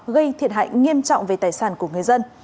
gây thiệt hại nghiêm trọng về tài sản của người dân